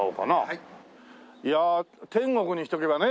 いや天国にしとけばね。